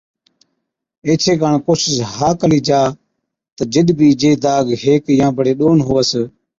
ايڇي ڪاڻ ڪوشش ها ڪلِي جا تہ جِڏ بِي جي داگ هيڪ يان بڙي ڏون هُوَس